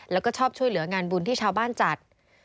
แล้วก็ชอบช่วยเหลืองานบุญที่ชาวบ้านจัด